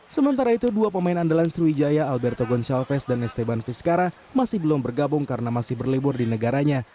sementara itu dua pemain andalan sriwijaya alberto goncalves dan esteban vizcara masih belum bergabung karena masih berlibur di negaranya